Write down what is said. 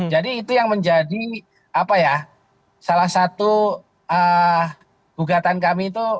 jadi itu yang menjadi salah satu gugatan kami